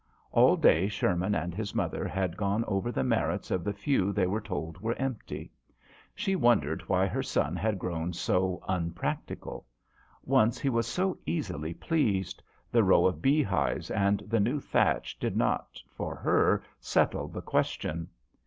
All day Sherman and his mother had gone over the merits of the few they were told were empty. She wondered why her son had grown so unpractical. Once he was so easily pleased the row of beehives and the new thatch did not for her settle the question.